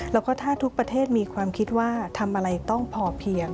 แล้วก็ถ้าทุกประเทศมีความคิดว่าทำอะไรต้องพอเพียง